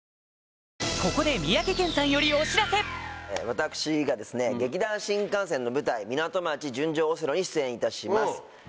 私が劇団☆新感線の舞台『ミナト町純情オセロ』に出演いたします。